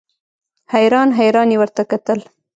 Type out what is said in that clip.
حیران حیران یې ورته کتل.